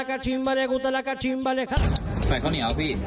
ใส่กลวยด้วย